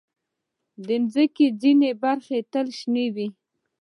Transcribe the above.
د مځکې ځینې برخې تل شنې وي.